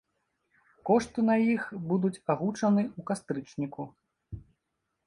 Кошты на іх будуць агучаны ў кастрычніку.